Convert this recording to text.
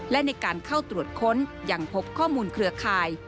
และในการเข้าตรวจค้นยังพบข้อมูลเครือข่าย